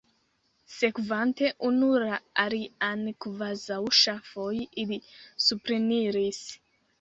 Sekvante unu la alian kvazaŭ ŝafoj, ili supreniris.